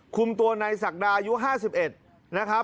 คุมตัวในศักดาอายุ๕๑นะครับ